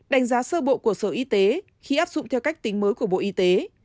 đánh giá sơ bộ của sở y tế khi áp dụng theo cách tính mới của bộ y tế